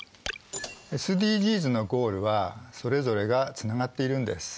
ＳＤＧｓのゴールはそれぞれがつながっているんです。